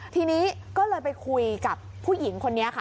ทีนี้ก็เลยไปคุยกับผู้หญิงคนนี้ค่ะ